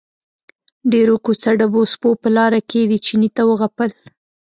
ډېرو کوڅه ډبو سپو په لاره کې دې چیني ته وغپل.